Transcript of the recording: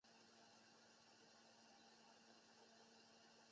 是一款由科乐美制作和发行的动作平台类游戏。